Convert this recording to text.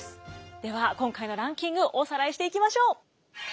では今回のランキングおさらいしていきましょう。